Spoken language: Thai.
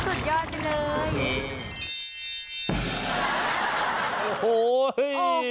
สุดยอดไปเลย